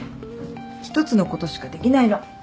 １つのことしかできないの。